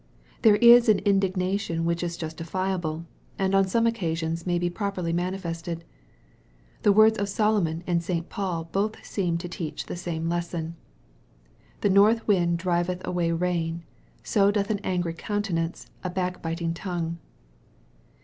There is an indignation which is justifiable, and on some occasions may be properly manifested. The words of Solomon and St. Paul both seem to teach the same lesson. " The north wind driveth away rain, so doth an angry counte nance a backbiting tongue."